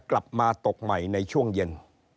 กลับมาตกใหม่ในช่วงเย็น